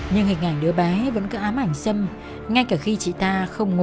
nhưng hình ảnh đứa bé vẫn cứ ám ảnh sâm ngay cả khi chị ta không ngủ